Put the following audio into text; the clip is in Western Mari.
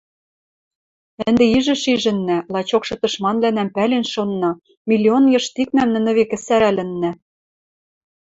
Ӹнде ижӹ шижӹннӓ, лачокшы тышманвлӓнӓм пӓлен шонна, миллион йыштикнӓм нӹнӹ векӹ сӓрӓлӹннӓ